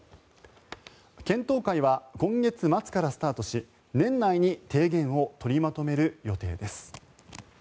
検討会は今月末からスタートし年内に提言を取りまとめる予定です。